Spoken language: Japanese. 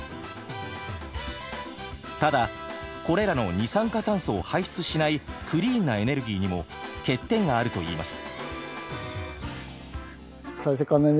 ただこれらの二酸化炭素を排出しないクリーンなエネルギーにも欠点があるといいます。